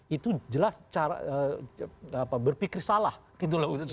itu jelas cara berpikir salah gitu loh